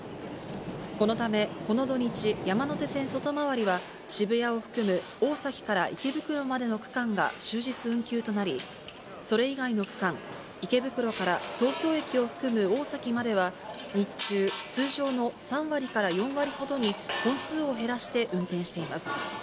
このため、この土日、山手線外回りは、渋谷を含む大崎から池袋までの区間が終日運休となり、それ以外の区間、池袋から東京駅を含む大崎までは、日中、通常の３割から４割ほどに本数を減らして運転しています。